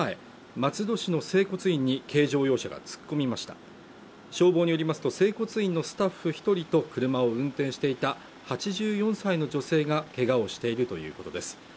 松戸市の整骨院に軽乗用車が突っ込みました消防によりますと整骨院のスタッフ一人と車を運転していた８４歳の女性がけがをしているということです